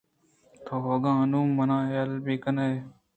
تو اگاں اَنُّوں منا یلہ بِہ کن ئے